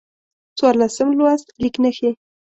څوارلسم لوست: لیک نښې